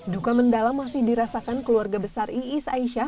duka mendalam masih dirasakan keluarga besar iis aisyah